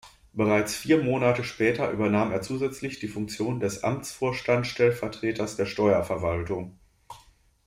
Bereits vier Monate später übernahm er zusätzlich die Funktion des Amtsvorstand-Stellvertreters der Steuerverwaltung.